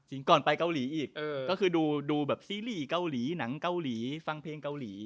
ก่อนไปเกาหลีอีกก็คือดูแบบซีรีส์เกาหลีหนังเกาหลีฟังเพลงเกาหลี